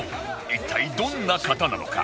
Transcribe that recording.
一体どんな方なのか？